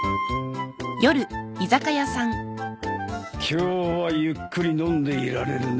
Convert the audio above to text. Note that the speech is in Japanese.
今日はゆっくり飲んでいられるね。